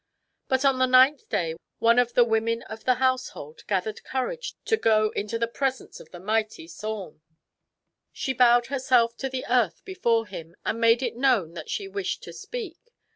But on the ninth day one of the women of the household gathered courage to go into the presence of mighty Saum. She bowed herself to the earth before him and made it known that she wished to speak.